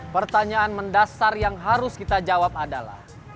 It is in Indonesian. pertanyaan mendasar yang harus kita jawab adalah